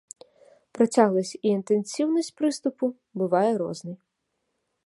Працягласць і інтэнсіўнасць прыступу бывае рознай.